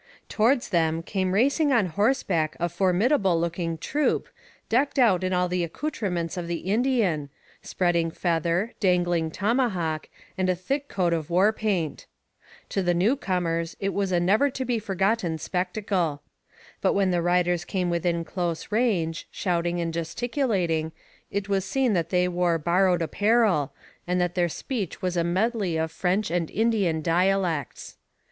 Towards them came racing on horseback a formidable looking troop, decked out in all the accoutrements of the Indian spreading feather, dangling tomahawk, and a thick coat of war paint. To the newcomers it was a never to be forgotten spectacle. But when the riders came within close range, shouting and gesticulating, it was seen that they wore borrowed apparel, and that their speech was a medley of French and Indian dialects.